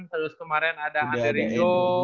terus kemarin ada ander rijo